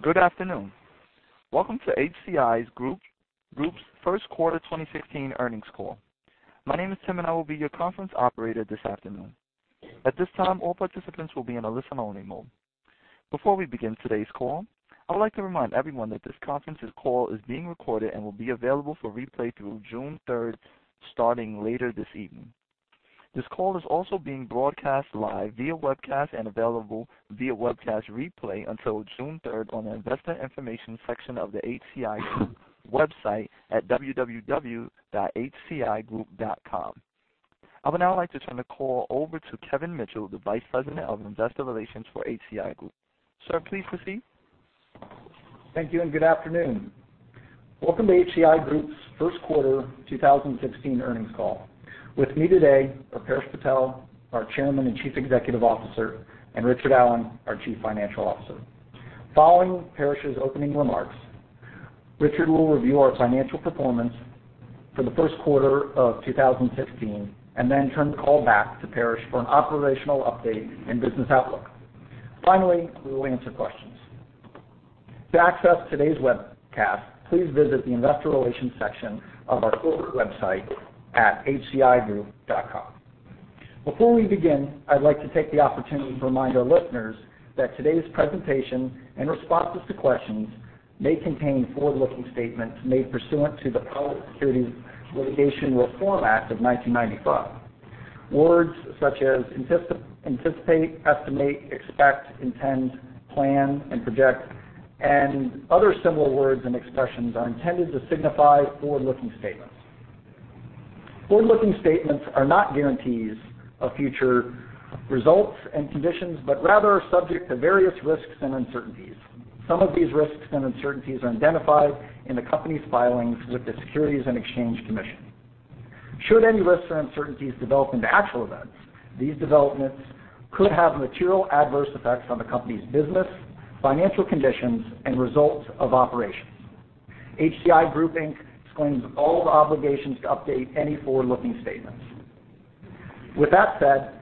Good afternoon. Welcome to HCI Group's first quarter 2016 earnings call. My name is Tim, and I will be your conference operator this afternoon. At this time, all participants will be in a listen-only mode. Before we begin today's call, I would like to remind everyone that this conference call is being recorded and will be available for replay through June 3rd, starting later this evening. This call is also being broadcast live via webcast and available via webcast replay until June 3rd on the investor information section of the HCI website at www.hcigroup.com. I would now like to turn the call over to Kevin Mitchell, the Vice President of Investor Relations for HCI Group. Sir, please proceed. Thank you. Good afternoon. Welcome to HCI Group's first quarter 2016 earnings call. With me today are Paresh Patel, our Chairman and Chief Executive Officer, and Richard Allen, our Chief Financial Officer. Following Paresh's opening remarks, Richard will review our financial performance for the first quarter of 2016 and then turn the call back to Paresh for an operational update and business outlook. Finally, we will answer questions. To access today's webcast, please visit the investor relations section of our corporate website at hcigroup.com. Before we begin, I'd like to take the opportunity to remind our listeners that today's presentation and responses to questions may contain forward-looking statements made pursuant to the Private Securities Litigation Reform Act of 1995. Words such as anticipate, estimate, expect, intend, plan, and project, and other similar words and expressions are intended to signify forward-looking statements. Forward-looking statements are not guarantees of future results and conditions but rather are subject to various risks and uncertainties. Some of these risks and uncertainties are identified in the company's filings with the Securities and Exchange Commission. Should any risks or uncertainties develop into actual events, these developments could have material adverse effects on the company's business, financial conditions, and results of operations. HCI Group Inc. disclaims all obligations to update any forward-looking statements. With that said,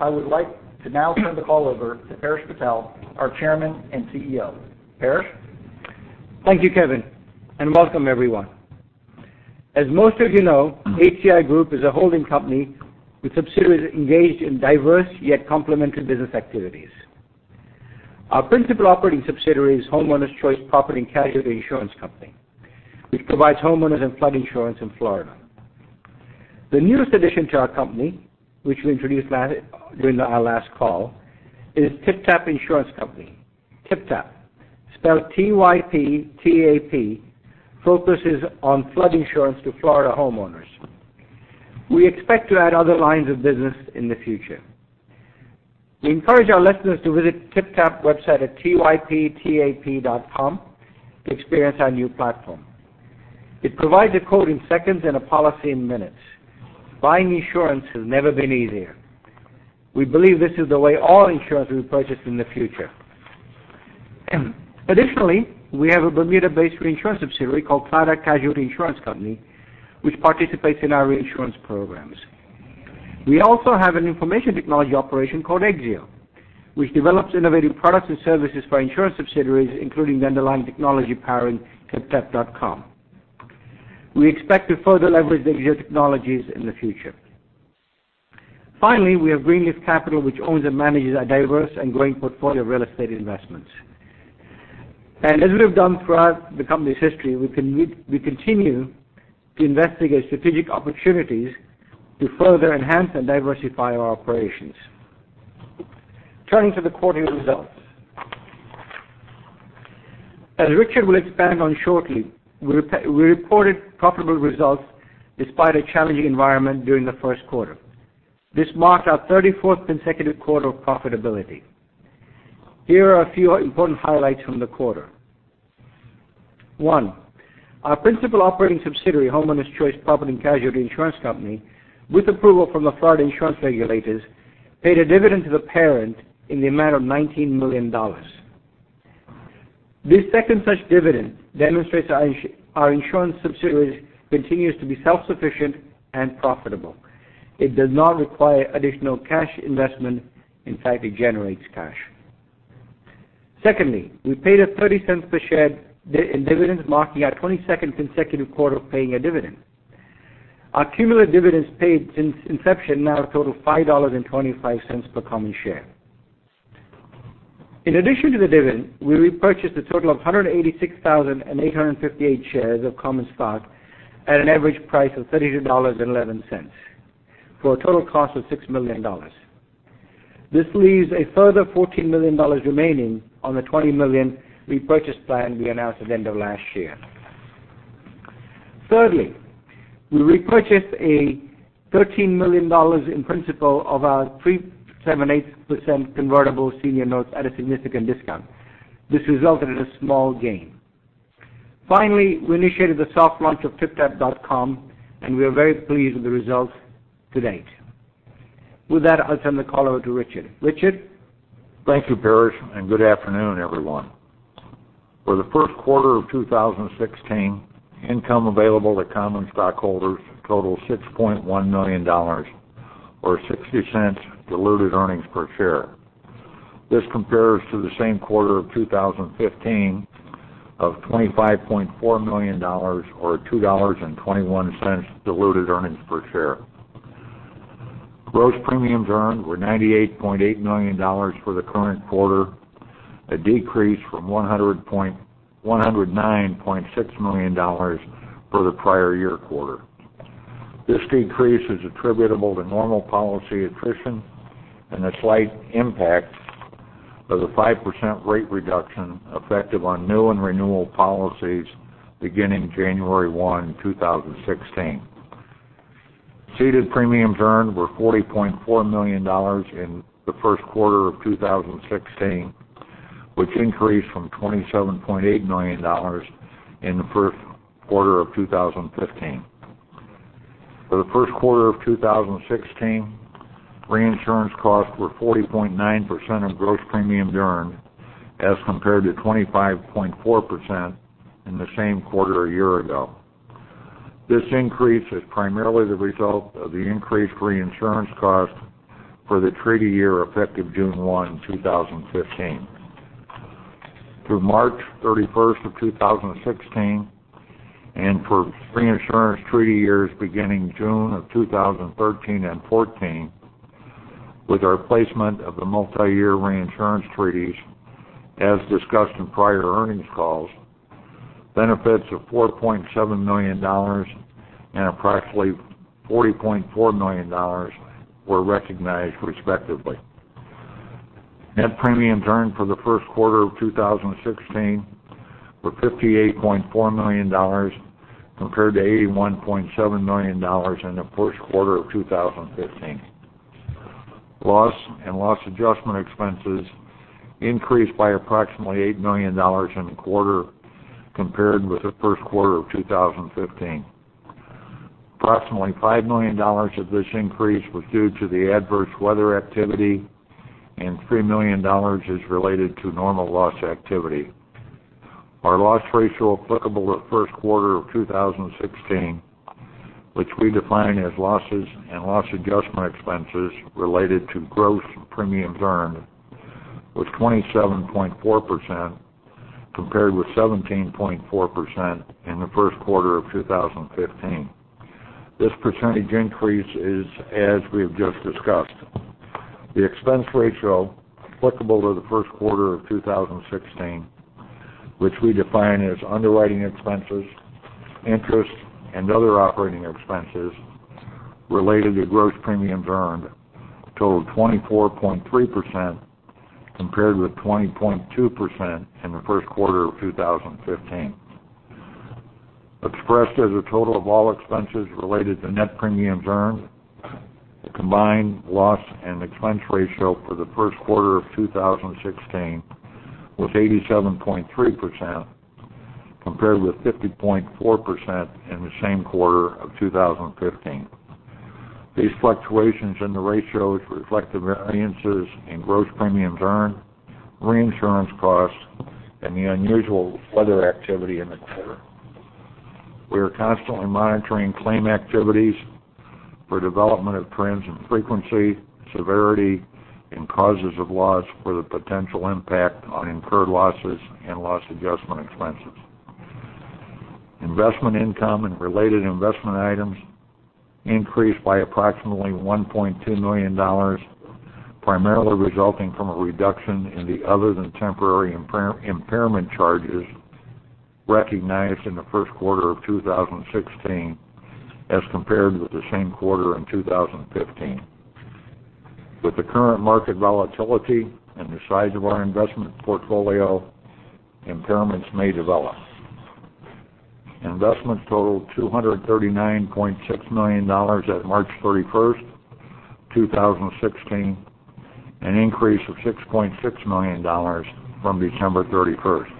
I would like to now turn the call over to Paresh Patel, our Chairman and CEO. Paresh? Thank you, Kevin. Welcome everyone. As most of you know, HCI Group is a holding company with subsidiaries engaged in diverse yet complementary business activities. Our principal operating subsidiary is Homeowners Choice Property & Casualty Insurance Company, which provides homeowners and flood insurance in Florida. The newest addition to our company, which we introduced during our last call, is TypTap Insurance Company. TypTap, spelled T-Y-P-T-A-P, focuses on flood insurance to Florida homeowners. We expect to add other lines of business in the future. We encourage our listeners to visit TypTap website at typtap.com to experience our new platform. It provides a quote in seconds and a policy in minutes. Buying insurance has never been easier. We believe this is the way all insurance will be purchased in the future. Additionally, we have a Bermuda-based reinsurance subsidiary called Claddagh Casualty Insurance Company, which participates in our reinsurance programs. We also have an information technology operation called Exzeo, which develops innovative products and services for insurance subsidiaries, including the underlying technology powering typtap.com. We expect to further leverage Exzeo technologies in the future. Finally, we have Greenleaf Capital, which owns and manages a diverse and growing portfolio of real estate investments. As we have done throughout the company's history, we continue to investigate strategic opportunities to further enhance and diversify our operations. Turning to the quarterly results. As Richard will expand on shortly, we reported profitable results despite a challenging environment during the first quarter. This marked our 34th consecutive quarter of profitability. Here are a few important highlights from the quarter. One, our principal operating subsidiary, Homeowners Choice Property & Casualty Insurance Company, with approval from the Florida insurance regulators, paid a dividend to the parent in the amount of $19 million. This second such dividend demonstrates our insurance subsidiary continues to be self-sufficient and profitable. It does not require additional cash investment. In fact, it generates cash. Secondly, we paid $0.30 per share in dividends, marking our 22nd consecutive quarter of paying a dividend. Our cumulative dividends paid since inception now total $5.25 per common share. In addition to the dividend, we repurchased a total of 186,858 shares of common stock at an average price of $32.11 for a total cost of $6 million. This leaves a further $14 million remaining on the $20 million repurchase plan we announced at the end of last year. Thirdly, we repurchased $13 million in principal of our 3.78% convertible senior notes at a significant discount. This resulted in a small gain. Finally, we initiated the soft launch of typtap.com, and we are very pleased with the results to date. With that, I'll turn the call over to Richard. Richard? Thank you, Paresh, and good afternoon, everyone. For the first quarter of 2016, income available to common stockholders totaled $6.1 million or $0.60 diluted earnings per share. This compares to the same quarter of 2015 of $25.4 million, or $2.21 diluted earnings per share. Gross premiums earned were $98.8 million for the current quarter, a decrease from $109.6 million for the prior year quarter. This decrease is attributable to normal policy attrition and a slight impact of the 5% rate reduction effective on new and renewal policies beginning January 1, 2016. Ceded premiums earned were $40.4 million in the first quarter of 2016, which increased from $27.8 million in the first quarter of 2015. For the first quarter of 2016, reinsurance costs were 40.9% of gross premium earned as compared to 25.4% in the same quarter a year ago. This increase is primarily the result of the increased reinsurance cost for the treaty year effective June 1, 2015. Through March 31st of 2016 and for reinsurance treaty years beginning June of 2013 and 2014, with our placement of the multi-year reinsurance treaties, as discussed in prior earnings calls, benefits of $4.7 million and approximately $40.4 million were recognized respectively. Net premiums earned for the first quarter of 2016 were $58.4 million compared to $81.7 million in the first quarter of 2015. Loss and loss adjustment expenses increased by approximately $8 million in the quarter compared with the first quarter of 2015. Approximately $5 million of this increase was due to the adverse weather activity, and $3 million is related to normal loss activity. Our loss ratio applicable to the first quarter of 2016, which we define as losses and loss adjustment expenses related to gross premiums earned, was 27.4% compared with 17.4% in the first quarter of 2015. This percentage increase is as we have just discussed. The expense ratio applicable to the first quarter of 2016, which we define as underwriting expenses, interest, and other operating expenses related to gross premiums earned, totaled 24.3% compared with 20.2% in the first quarter of 2015. Expressed as a total of all expenses related to net premiums earned, the combined loss and expense ratio for the first quarter of 2016 was 87.3% compared with 50.4% in the same quarter of 2015. These fluctuations in the ratios reflect the variances in gross premiums earned, reinsurance costs, and the unusual weather activity in the quarter. We are constantly monitoring claim activities for development of trends in frequency, severity, and causes of loss for the potential impact on incurred losses and loss adjustment expenses. Investment income and related investment items increased by approximately $1.2 million, primarily resulting from a reduction in the other than temporary impairment charges recognized in the first quarter of 2016 as compared with the same quarter in 2015. With the current market volatility and the size of our investment portfolio, impairments may develop. Investments totaled $239.6 million at March 31st, 2016, an increase of $6.6 million from December 31st.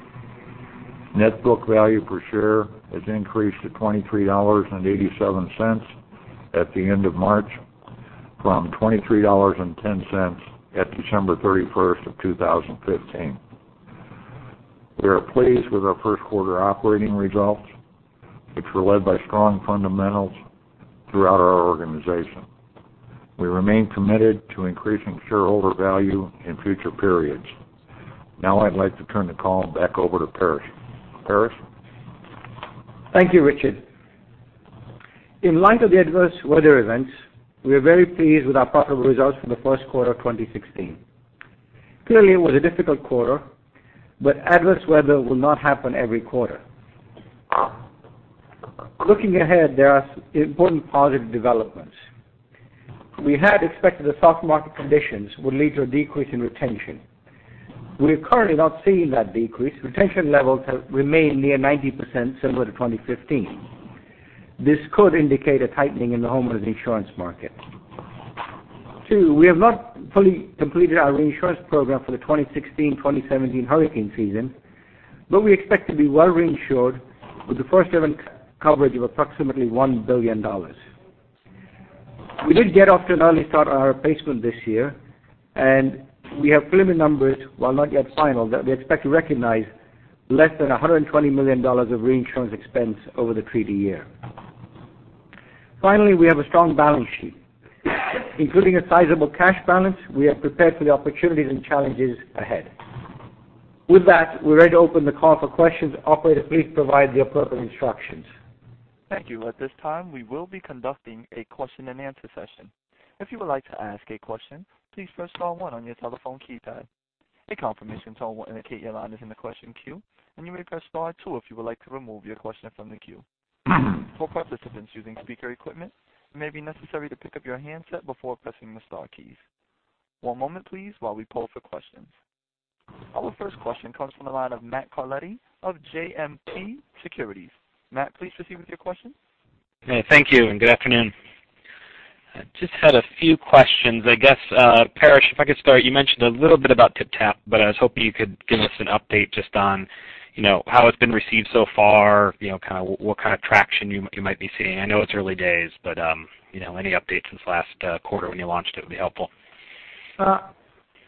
Net book value per share has increased to $23.87 at the end of March from $23.10 at December 31st of 2015. We are pleased with our first quarter operating results, which were led by strong fundamentals throughout our organization. We remain committed to increasing shareholder value in future periods. I'd like to turn the call back over to Paresh. Paresh? Thank you, Richard. In light of the adverse weather events, we are very pleased with our profitable results for the first quarter of 2016. Clearly, it was a difficult quarter, but adverse weather will not happen every quarter. Looking ahead, there are important positive developments. We had expected the soft market conditions would lead to a decrease in retention. We are currently not seeing that decrease. Retention levels have remained near 90%, similar to 2015. This could indicate a tightening in the homeowners insurance market. Two, we have not fully completed our reinsurance program for the 2016-2017 hurricane season, but we expect to be well reinsured with the first event coverage of approximately $1 billion. We did get off to an early start on our placement this year. We have preliminary numbers, while not yet final, that we expect to recognize less than $120 million of reinsurance expense over the treaty year. Finally, we have a strong balance sheet. Including a sizable cash balance, we are prepared for the opportunities and challenges ahead. With that, we're ready to open the call for questions. Operator, please provide the appropriate instructions. Thank you. At this time, we will be conducting a question-and-answer session. If you would like to ask a question, please press star one on your telephone keypad. A confirmation tone will indicate your line is in the question queue. You may press star two if you would like to remove your question from the queue. For participants using speaker equipment, it may be necessary to pick up your handset before pressing the star keys. One moment please, while we poll for questions. Our first question comes from the line of Matthew Carletti of JMP Securities. Matt, please proceed with your question. Hey, thank you and good afternoon. Just had a few questions. I guess, Paresh, if I could start, you mentioned a little bit about TypTap, but I was hoping you could give us an update just on how it's been received so far, what kind of traction you might be seeing. I know it's early days, but any updates since last quarter when you launched it would be helpful.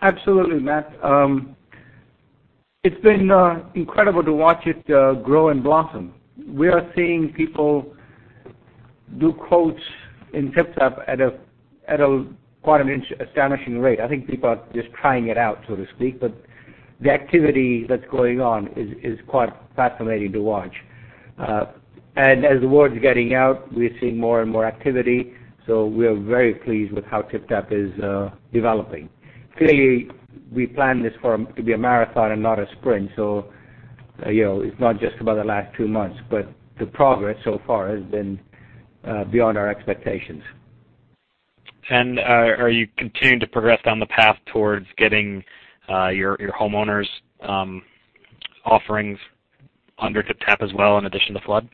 Absolutely, Matt. It's been incredible to watch it grow and blossom. We are seeing people do quotes in TypTap at quite an astonishing rate. I think people are just trying it out, so to speak, but the activity that's going on is quite fascinating to watch. As the word's getting out, we're seeing more and more activity. We're very pleased with how TypTap is developing. Clearly, we plan this to be a marathon and not a sprint, so it's not just about the last two months, but the progress so far has been beyond our expectations. Are you continuing to progress down the path towards getting your homeowners offerings under TypTap as well, in addition to flood?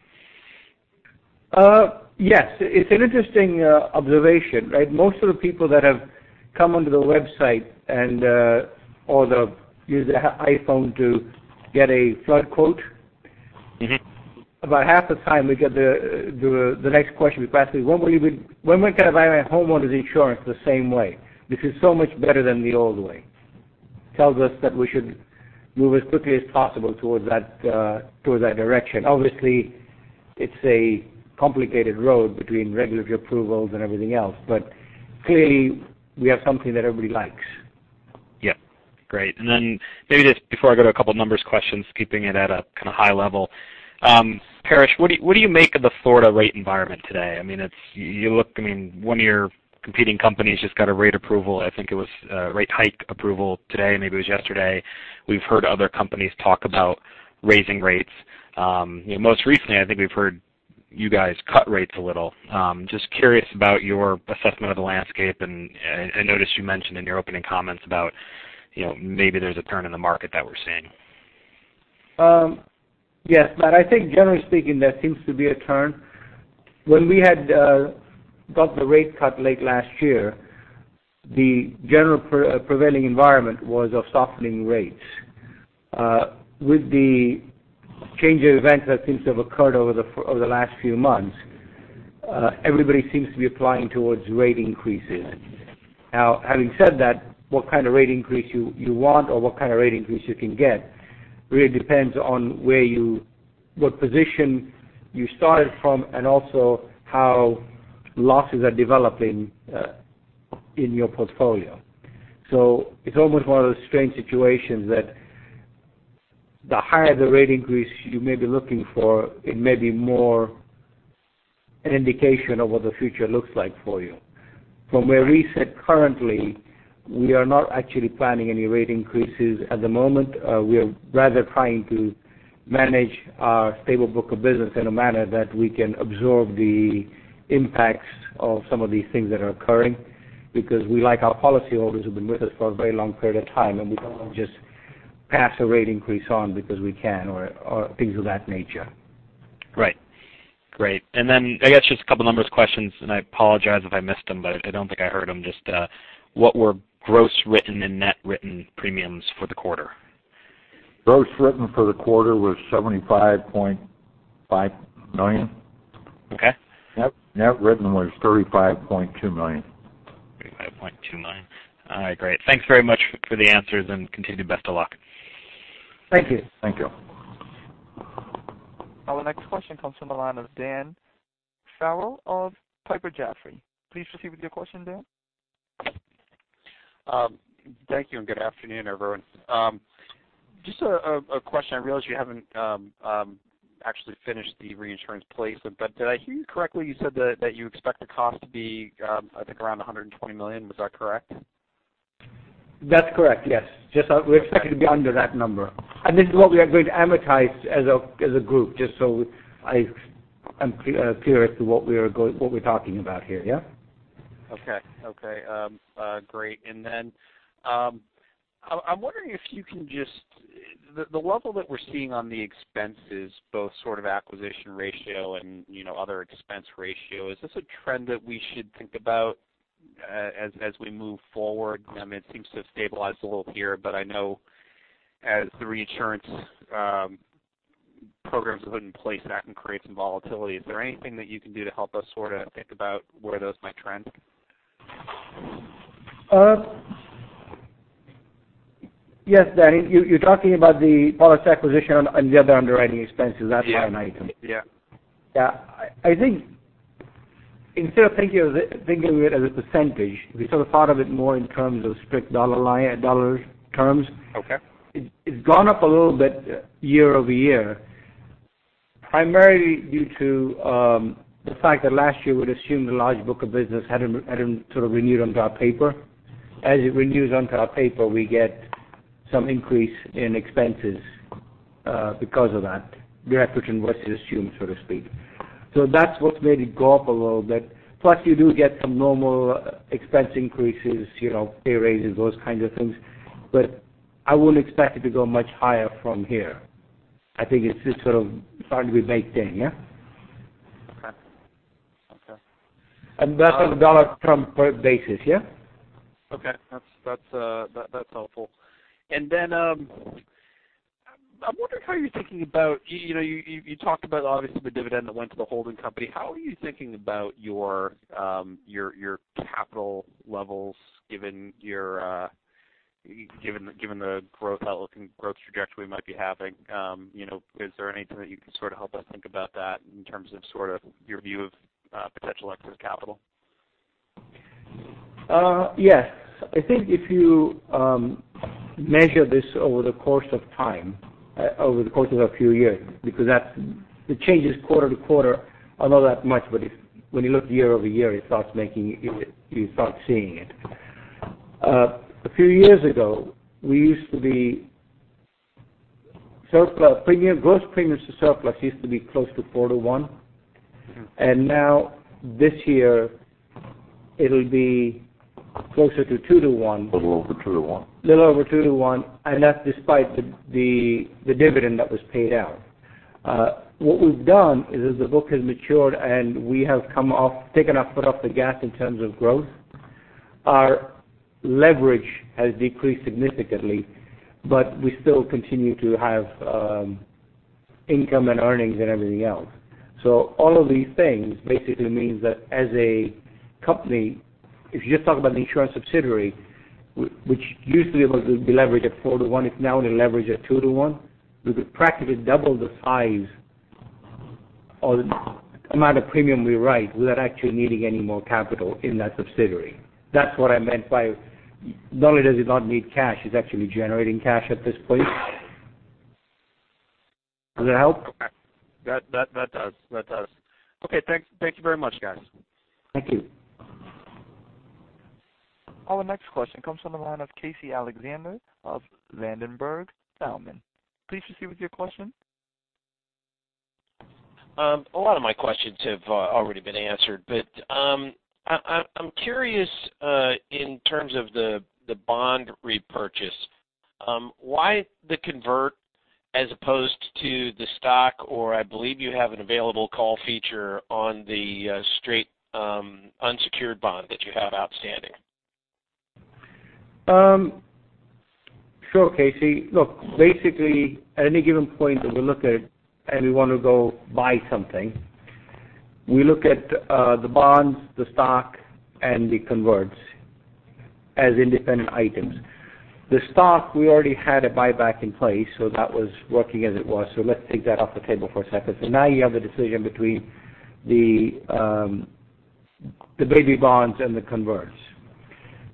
Yes. It's an interesting observation, right? Most of the people that have come onto the website or use their iPhone to get a flood quote- about half the time we get the next question we ask is, "When we can buy our homeowners insurance the same way? This is so much better than the old way." Tells us that we should move as quickly as possible towards that direction. Obviously, it's a complicated road between regulatory approvals and everything else, but clearly we have something that everybody likes. Yeah. Great. Maybe just before I go to a couple numbers questions, keeping it at a kind of high level. Paresh, what do you make of the Florida rate environment today? One of your competing companies just got a rate approval, I think it was a rate hike approval today, maybe it was yesterday. We've heard other companies talk about raising rates. Most recently I think we've heard you guys cut rates a little. Just curious about your assessment of the landscape, and I noticed you mentioned in your opening comments about maybe there's a turn in the market that we're seeing. Yes, Matt, I think generally speaking, there seems to be a turn. When we had got the rate cut late last year, the general prevailing environment was of softening rates. With the change of events that seems to have occurred over the last few months, everybody seems to be applying towards rate increases. Having said that, what kind of rate increase you want or what kind of rate increase you can get really depends on what position you started from and also how losses are developing in your portfolio. It's almost one of those strange situations that the higher the rate increase you may be looking for, it may be more an indication of what the future looks like for you. From where we sit currently, we are not actually planning any rate increases at the moment. We are rather trying to manage our stable book of business in a manner that we can absorb the impacts of some of these things that are occurring because we like our policyholders who've been with us for a very long period of time, and we don't want to just pass a rate increase on because we can or things of that nature. Right. Great. I guess just a couple numbers questions, and I apologize if I missed them, but I don't think I heard them. Just what were gross written and net written premiums for the quarter? Gross written for the quarter was $75.5 million. Okay. Net written was $35.2 million. $35.2 million. All right, great. Thanks very much for the answers and continued best of luck. Thank you. Thank you. Our next question comes from the line of Daniel Farrell of Piper Jaffray. Please proceed with your question, Dan. Thank you, good afternoon, everyone. Just a question, I realize you haven't actually finished the reinsurance placement, but did I hear you correctly? You said that you expect the cost to be, I think, around $120 million. Was that correct? That's correct, yes. Just we're expecting to be under that number. This is what we are going to amortize as a group, just so I am clear as to what we're talking about here, yeah? Okay. Great. I'm wondering if you can just the level that we're seeing on the expenses, both sort of acquisition ratio and other expense ratio, is this a trend that we should think about as we move forward? It seems to have stabilized a little here, I know as the reinsurance programs are put in place, that can create some volatility. Is there anything that you can do to help us sort of think about where those might trend? Yes, Daniel, you're talking about the policy acquisition and the other underwriting expenses. That line item. Yeah. Yeah. I think instead of thinking of it as a percentage, we sort of thought of it more in terms of strict dollar terms. Okay. It's gone up a little bit year-over-year, primarily due to the fact that last year we'd assumed a large book of business had sort of renewed onto our paper. As it renews onto our paper, we get some increase in expenses because of that. The acquisition was assumed, so to speak. That's what's made it go up a little bit. Plus, you do get some normal expense increases, pay raises, those kinds of things. I wouldn't expect it to go much higher from here. I think it's just sort of starting to be baked in, yeah? Okay. That is on a dollar term per basis, yeah? Okay. That is helpful. You talked about, obviously, the dividend that went to the holding company. How are you thinking about your capital levels given the growth outlook and growth trajectory you might be having? Is there anything that you can sort of help us think about that in terms of sort of your view of potential excess capital? Yes. I think if you measure this over the course of time, over the course of a few years, because the changes quarter-to-quarter are not that much, but when you look year-over-year, you start seeing it. A few years ago, Gross premiums to surplus used to be close to four to one. Now this year it will be closer to two to one. Little over two to one. Little over two to one, that's despite the dividend that was paid out. What we've done is as the book has matured, and we have taken our foot off the gas in terms of growth, our leverage has decreased significantly, but we still continue to have income and earnings and everything else. All of these things basically means that as a company, if you just talk about the insurance subsidiary, which used to be able to be leveraged at four to one, it's now only leveraged at two to one. We could practically double the size or the amount of premium we write without actually needing any more capital in that subsidiary. That's what I meant by not only does it not need cash, it's actually generating cash at this point. Does that help? Okay. That does. Okay, thank you very much, guys. Thank you. Our next question comes from the line of Casey Alexander of Ladenburg Thalmann. Please proceed with your question. A lot of my questions have already been answered, but I'm curious in terms of the bond repurchase. Why the convert as opposed to the stock or I believe you have an available call feature on the straight unsecured bond that you have outstanding? Sure, Casey. Look, basically, at any given point that we look at and we want to go buy something, we look at the bonds, the stock, and the converts as independent items. The stock, we already had a buyback in place, that was working as it was. Let's take that off the table for a second. Now you have the decision between the baby bonds and the converts.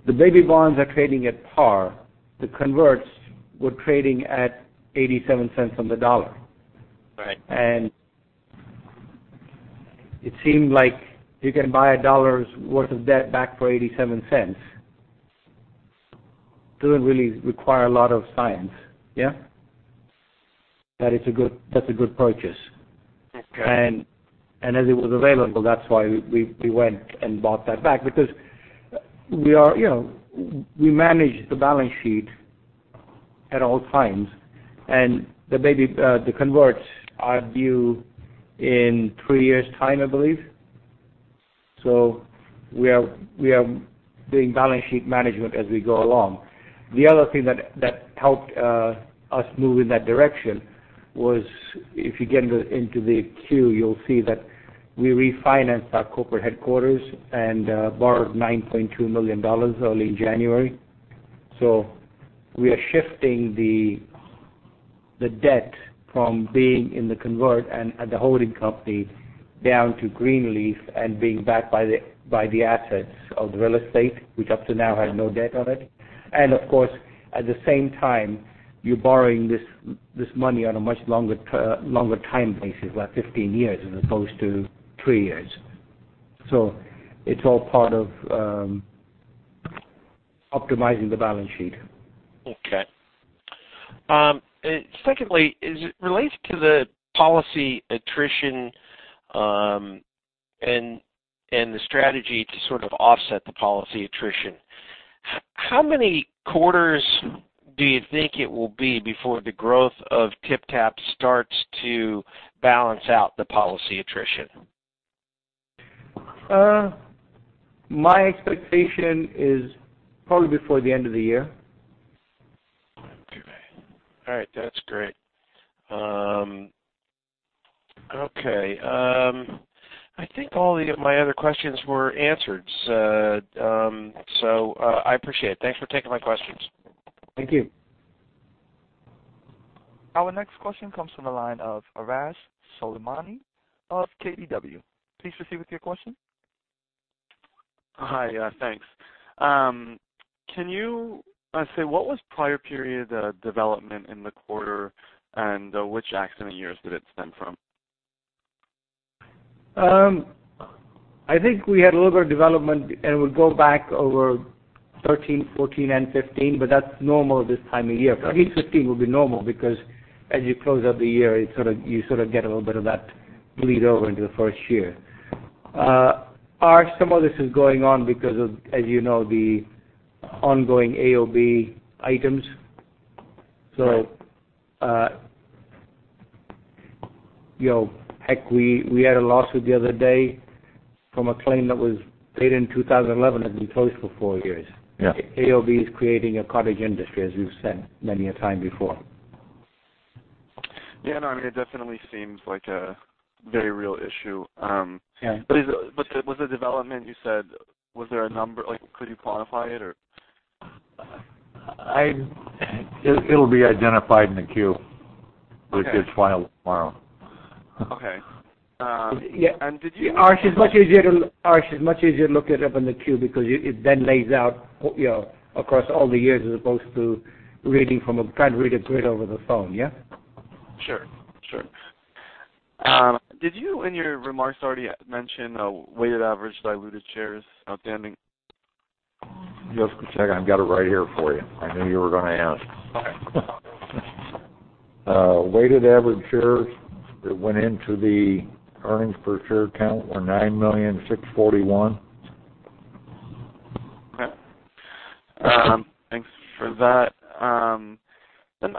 The baby bonds are trading at par. The converts were trading at $0.87 on the dollar. Right. It seemed like you can buy a dollar's worth of debt back for $0.87. Doesn't really require a lot of science, yeah? That's a good purchase. Okay. As it was available, that's why we went and bought that back because we manage the balance sheet at all times, the converts are due in three years, I believe. We are doing balance sheet management as we go along. The other thing that helped us move in that direction was, if you get into the Q, you'll see that we refinanced our corporate headquarters and borrowed $9.2 million early in January. We are shifting the debt from being in the convert and the holding company down to Greenleaf and being backed by the assets of the real estate, which up to now had no debt on it. Of course, at the same time, you're borrowing this money on a much longer time basis, like 15 years as opposed to three years. It's all part of optimizing the balance sheet. Okay. Secondly, as it relates to the policy attrition, and the strategy to sort of offset the policy attrition, how many quarters do you think it will be before the growth of TypTap starts to balance out the policy attrition? My expectation is probably before the end of the year. All right. That's great. Okay. I think all of my other questions were answered. I appreciate it. Thanks for taking my questions. Thank you. Our next question comes from the line of Arash Soleimani of KBW. Please proceed with your question. Hi. Thanks. What was prior period development in the quarter, and which accident years did it stem from? I think we had a little bit of development, and we'll go back over 2013, 2014, and 2015. That's normal this time of year. I think 2015 will be normal because as you close out the year, you sort of get a little bit of that bleed over into the first year. Arash, some of this is going on because of, as you know, the ongoing AOB items. Heck, we had a lawsuit the other day from a claim that was paid in 2011 that's been closed for four years. Yeah. AOB is creating a cottage industry, as we've said many a time before. Yeah. No. It definitely seems like a very real issue. Yeah. With the development you said, was there a number? Could you quantify it? It'll be identified in the Q-. Okay which gets filed tomorrow. Okay. Arash, it's much easier to look it up in the Q because it then lays out across all the years as opposed to trying to read a grid over the phone, yeah? Sure. Did you, in your remarks, already mention weighted average diluted shares outstanding? Just a second. I've got it right here for you. I knew you were going to ask. Okay. Weighted average shares that went into the earnings per share count were 9,641,000. Okay. Thanks for that. I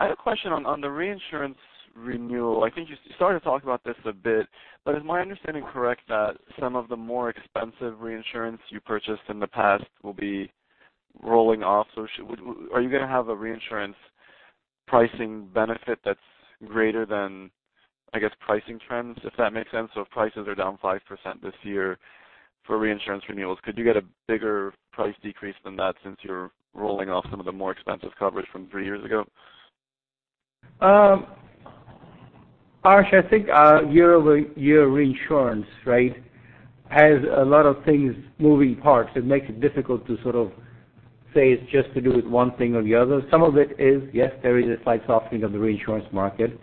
had a question on the reinsurance renewal. I think you started to talk about this a bit, but is my understanding correct that some of the more expensive reinsurance you purchased in the past will be rolling off? Are you going to have a reinsurance pricing benefit that's greater than, I guess, pricing trends, if that makes sense? If prices are down 5% this year for reinsurance renewals, could you get a bigger price decrease than that since you're rolling off some of the more expensive coverage from three years ago? Arash, I think year-over-year reinsurance has a lot of things moving parts that makes it difficult to say it's just to do with one thing or the other. Some of it is, yes, there is a slight softening of the reinsurance market.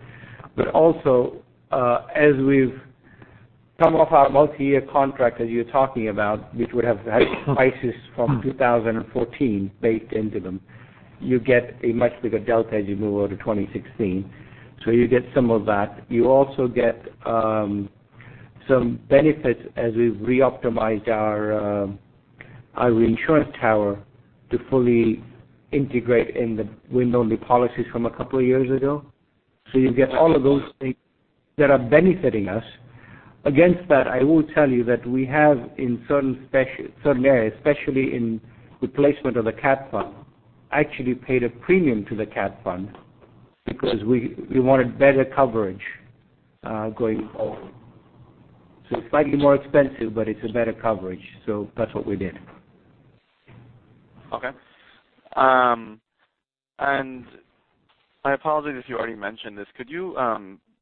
Also, as we've come off our multi-year contract, as you're talking about, which would have had prices from 2014 baked into them, you get a much bigger delta as you move over to 2016. You get some of that. You also get some benefits as we've re-optimized our reinsurance tower to fully integrate and wind on the policies from a couple of years ago. You get all of those things that are benefiting us. Against that, I will tell you that we have, in certain areas, especially in the placement of the catastrophe fund, actually paid a premium to the catastrophe fund because we wanted better coverage going forward. It's slightly more expensive, but it's a better coverage, that's what we did. Okay. My apologies if you already mentioned this. Could you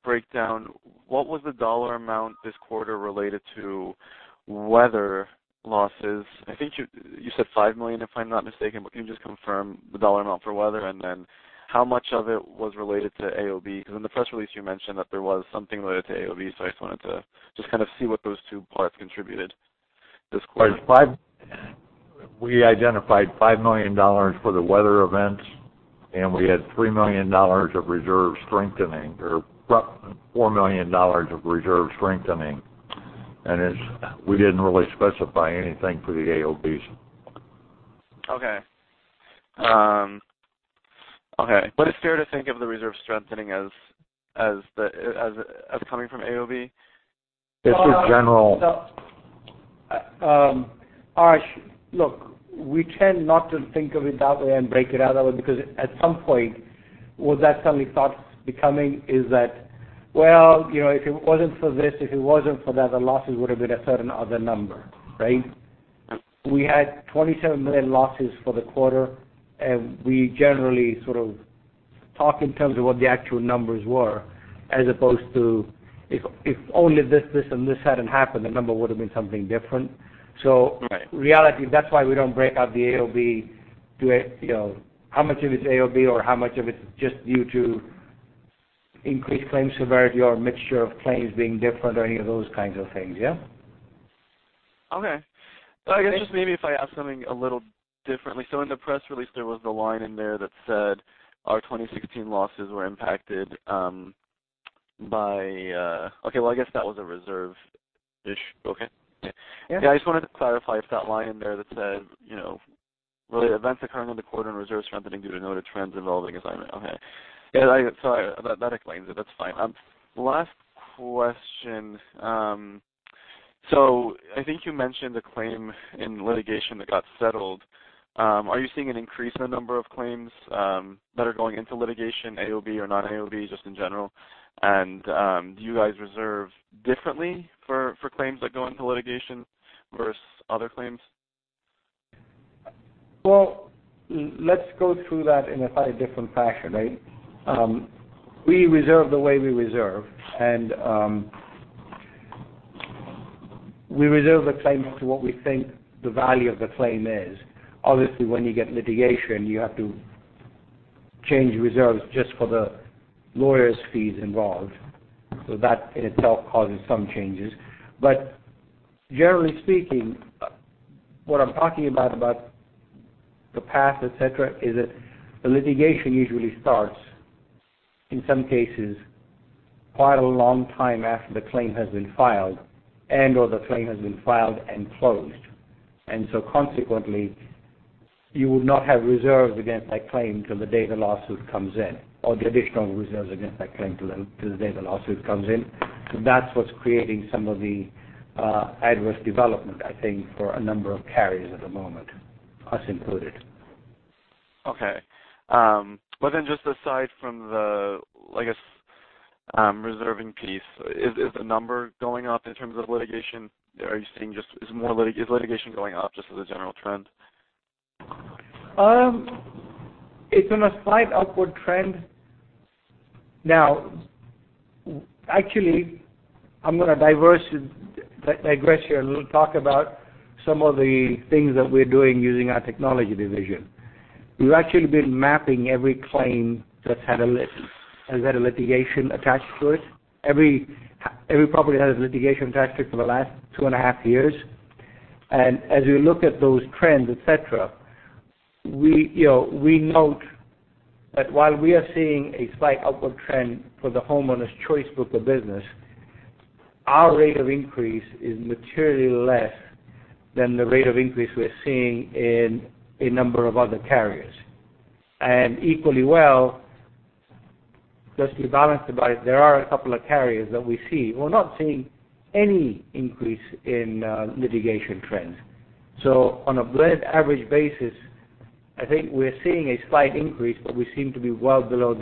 break down what was the dollar amount this quarter related to weather losses? I think you said $5 million, if I'm not mistaken. Can you just confirm the dollar amount for weather, and then how much of it was related to AOB? In the press release, you mentioned that there was something related to AOB, so I just wanted to kind of see what those two parts contributed this quarter. We identified $5 million for the weather events, and we had $3 million of reserve strengthening, or roughly $4 million of reserve strengthening. We didn't really specify anything for the AOBs. Okay. Is it fair to think of the reserve strengthening as coming from AOB? It's just general- Arash, look, we tend not to think of it that way and break it out that way because, at some point, with that suddenly thoughts becoming is that, well, if it wasn't for this, if it wasn't for that, the losses would've been a certain other number, right? We had $27 million losses for the quarter, we generally sort of talk in terms of what the actual numbers were as opposed to if only this, and this hadn't happened, the number would've been something different. Right. In reality, that's why we don't break out how much of it is AOB or how much of it's just due to increased claim severity or mixture of claims being different or any of those kinds of things, yeah? Okay. I guess just maybe if I ask something a little differently. In the press release, there was the line in there that said our 2016 losses were impacted by. Okay, well, I guess that was a reserve issue. Okay. Yeah. Yeah. I just wanted to clarify if that line in there that said, "Events occurring in the quarter and reserve strengthening due to noted trends involving assignment." Okay. Yeah, that explains it. That's fine. Last question. I think you mentioned a claim in litigation that got settled. Are you seeing an increase in the number of claims that are going into litigation, AOB or not AOB, just in general? And do you guys reserve differently for claims that go into litigation versus other claims? Let's go through that in a slightly different fashion. We reserve the way we reserve, and we reserve a claim up to what we think the value of the claim is. Obviously, when you get litigation, you have to change reserves just for the lawyers' fees involved. That in itself causes some changes. Generally speaking, what I'm talking about the past, et cetera, is that the litigation usually starts, in some cases, quite a long time after the claim has been filed and/or the claim has been filed and closed. Consequently, you would not have reserves against that claim till the date the lawsuit comes in or the additional reserves against that claim till the date the lawsuit comes in. That's what's creating some of the adverse development, I think, for a number of carriers at the moment, us included. Just aside from the, I guess, reserving piece, is the number going up in terms of litigation? Are you seeing just is more litigation going up just as a general trend? It's on a slight upward trend. Actually, I'm going to digress here and talk about some of the things that we're doing using our technology division. We've actually been mapping every claim that's had a litigation attached to it. Every property that has a litigation attached to it for the last two and a half years. As we look at those trends, et cetera, we note that while we are seeing a slight upward trend for the Homeowners Choice book of business, our rate of increase is materially less than the rate of increase we're seeing in a number of other carriers. Equally well, just to be balanced about it, there are a couple of carriers that we see. We're not seeing any increase in litigation trends. On a blended average basis, I think we're seeing a slight increase, we seem to be well below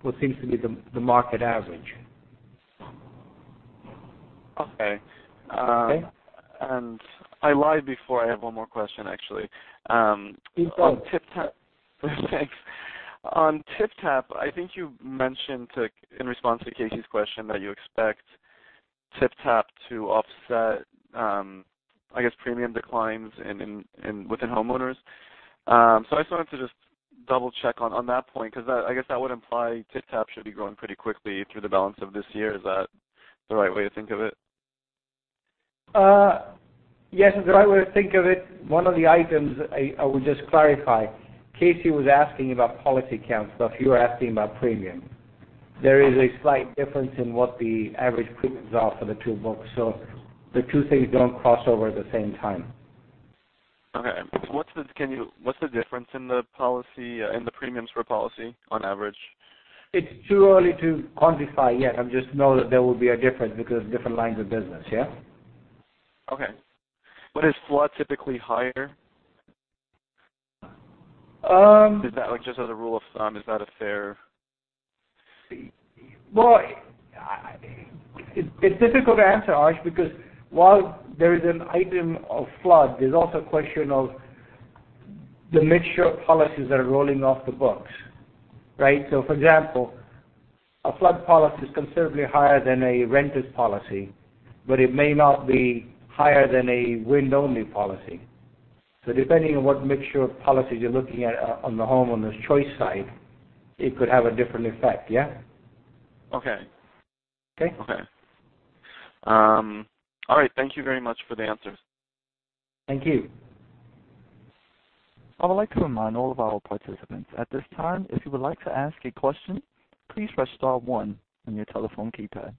what seems to be the market average. Okay. Okay. I lied before. I have one more question, actually. Please go on. Thanks. On TypTap, I think you mentioned in response to Casey's question that you expect TypTap to offset, I guess, premium declines within homeowners. I just wanted to just double-check on that point, because I guess that would imply TypTap should be growing pretty quickly through the balance of this year. Is that the right way to think of it? Yes, it's the right way to think of it. One of the items, I would just clarify, Casey was asking about policy counts, but you are asking about premium. There is a slight difference in what the average premiums are for the two books. The two things don't cross over at the same time. Okay. What's the difference in the premiums for policy on average? It's too early to quantify yet. I just know that there will be a difference because different lines of business. Yeah. Okay. Is flood typically higher? Um- Is that like just as a rule of thumb, is that a fair? Well, it's difficult to answer, Arash, because while there is an item of flood, there's also a question of the mixture of policies that are rolling off the books. For example, a flood policy is considerably higher than a renter's policy, but it may not be higher than a wind-only policy. Depending on what mixture of policies you're looking at on the Homeowners Choice side, it could have a different effect. Yeah. Okay. Okay. Okay. All right. Thank you very much for the answers. Thank you. I would like to remind all of our participants at this time, if you would like to ask a question, please press star one on your telephone keypad.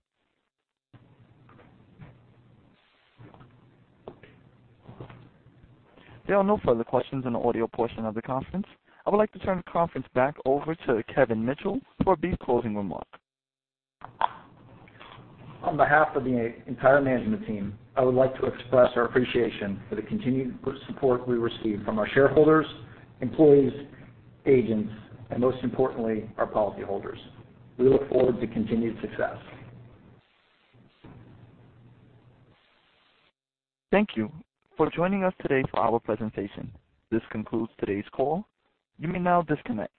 There are no further questions on the audio portion of the conference. I would like to turn the conference back over to Kevin Mitchell for a brief closing remark. On behalf of the entire management team, I would like to express our appreciation for the continued support we receive from our shareholders, employees, agents, and most importantly, our policyholders. We look forward to continued success. Thank you for joining us today for our presentation. This concludes today's call. You may now disconnect.